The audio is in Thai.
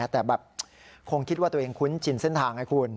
แต่แบบคงคิดว่าตัวเองคุ้นชินเส้นทางให้คุณ